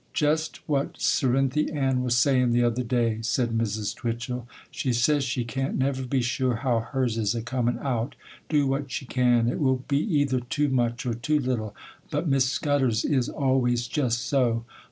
'Jest what Cerinthy Ann was sayin', the other day,' said Mrs. Twichel. 'She says she can't never be sure how hers is a comin' out. Do what she can, it will be either too much or too little; but Miss Scudder's is always jest so.